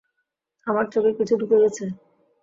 আমার চোখে কিছু ঢুকে গেছে।